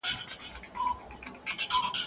اوس به دې کلي ته نارې کړم